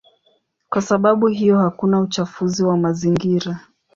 Kwa sababu hiyo hakuna uchafuzi wa mazingira.